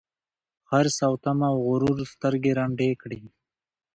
حرص او تمه او غرور سترګي ړندې کړي